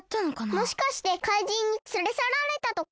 もしかしてかいじんにつれさられたとか？